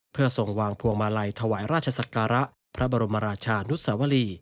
เพื่อส่งวางพวงมาลัยถวายราชศักระพระบรมราชานุสวรี